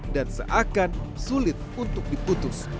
dan seakan sulit untuk diputus